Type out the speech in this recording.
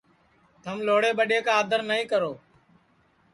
تھم لھوڑے ٻڈؔے کا آدر نائیں کرو